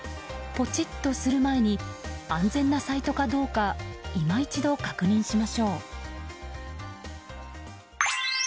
ポチッとする前に安全なサイトかどうか今一度、確認しましょう。